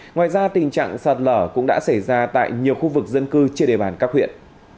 ngoài ra tình trạng sạt lở cũng đã xảy ra tại nhiều khu vực dân cư trên đề bàn các huyện